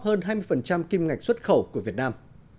đơn vị đóng góp hơn hai mươi kim ngạch xuất khẩu của việt nam